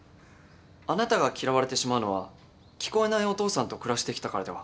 あなたが嫌われてしまうのは聞こえないお父さんと暮らしてきたからでは？